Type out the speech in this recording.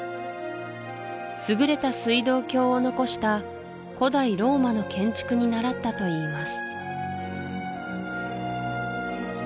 優れた水道橋を残した古代ローマの建築に倣ったといいます